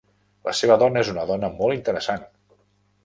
La seva dona és una dona molt interessant.